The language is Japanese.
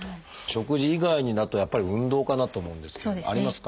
食事以外になるとやっぱり運動かなと思うんですけどありますか？